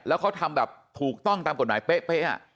แล้วเขาทำแบบถูกต้องตามกฎหมายเป๊ะ